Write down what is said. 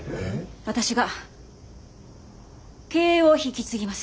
私が経営を引き継ぎます。